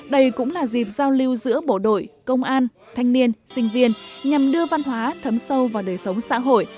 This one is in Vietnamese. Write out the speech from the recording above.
đây cũng là dịp giao lưu giữa bộ đội công an thanh niên sinh viên nhằm đưa văn hóa thấm sâu vào đời sống xã hội